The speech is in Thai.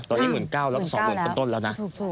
ตอนนี้๑๙๐๐แล้วก็๒๐๐๐เป็นต้นแล้วนะ